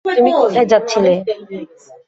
তুমি কোথায় যাচ্ছিলে?